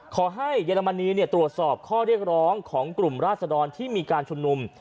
เยอรมนีตรวจสอบข้อเรียกร้องของกลุ่มราศดรที่มีการชุมนุม